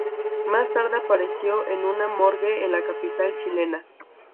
Más tarde apareció en una morgue en la capital chilena.